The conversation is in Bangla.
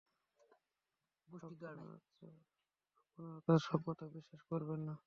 আপনারা তার সব কথা বিশ্বাস করবেন না।